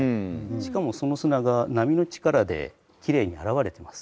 しかもその砂が波の力できれいに洗われてます。